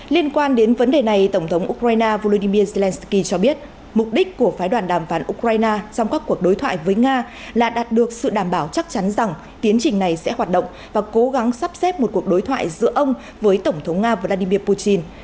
liên quan đến vấn đề này tổng thống ukraine volodymyr zelensky cho biết mục đích của phái đoàn đàm phán ukraine trong các cuộc đối thoại với nga là đạt được sự đảm bảo chắc chắn rằng tiến trình này sẽ hoạt động và cố gắng sắp xếp một cuộc đối thoại giữa ông với tổng thống nga vladimir putin